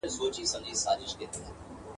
ملاجان ته خدای ورکړي نن د حورو قافلې دي !.